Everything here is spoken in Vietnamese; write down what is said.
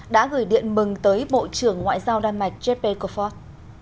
đã gửi điện mừng tới bộ trưởng ngoại giao đan mạch jeppe kofod